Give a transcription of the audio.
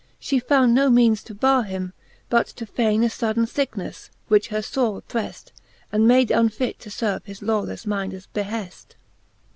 She found no meanes to barre him, but to faine A fodaine ficknefTe, which her fore opprefl, And made unfit to ferve his lawlefTe mindes behefl.